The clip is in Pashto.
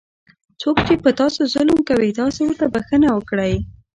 څوک چې په تاسو ظلم کوي تاسې ورته بښنه وکړئ.